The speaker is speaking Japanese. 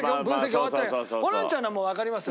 ホランちゃんのはもうわかりますよ。